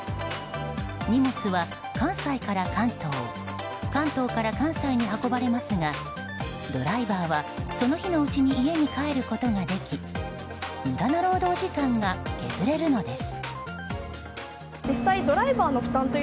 荷物は関西から関東関東から関西に運ばれますがドライバーは、その日のうちに家に帰ることができ無駄な労働時間が削れるのです。